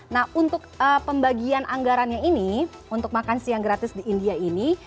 nah untuk pembagian anggarannya ini untuk makan siang gratis di india ini